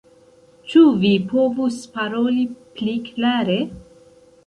Ĉu vi povus paroli pli klare?